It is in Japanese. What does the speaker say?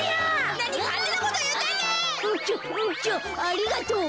ありがとう。